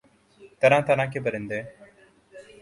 طرح طرح کے پرندے